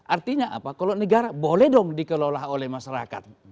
artinya apa kalau negara boleh dong dikelola oleh masyarakat